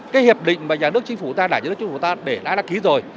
cái hiệp định mà nhà nước chính phủ ta để đã đăng ký rồi